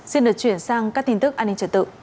xin được chuyển sang các tin tức an ninh trật tự